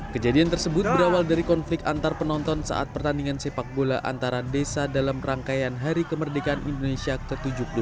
kejadian tersebut berawal dari konflik antar penonton saat pertandingan sepak bola antara desa dalam rangkaian hari kemerdekaan indonesia ke tujuh puluh delapan